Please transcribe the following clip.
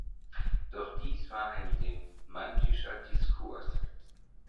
Doch dies war ein semantischer Diskurs.